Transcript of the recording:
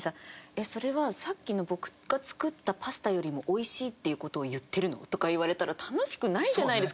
「えっそれはさっきの僕が作ったパスタよりもおいしいっていう事を言ってるの？」とか言われたら楽しくないじゃないですか。